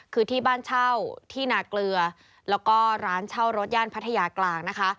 คือที่บ้านเช่าที่นาเกลือแล้วก็ร้านเช่ารถย่านพัทยากลางนะคะ